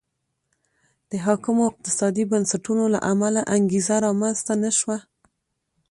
د حاکمو اقتصادي بنسټونو له امله انګېزه رامنځته نه شوه.